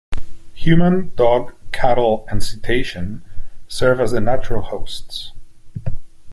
Human, dog, cattle, and cetacean serve as the natural host.